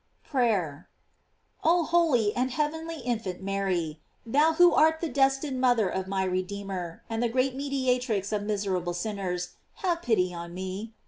PRAYER. Oh holy and heavenly infant Mary! thou who art the destined mother of my Redeemer and the great mediatrix of miserable sinners, have pity on me.